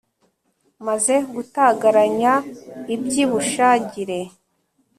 Maze gutagaranyaiby’i Bushagire